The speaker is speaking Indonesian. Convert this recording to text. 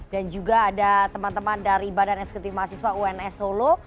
dan juga ada teman teman dari badan eksekutif mahasiswa uns solo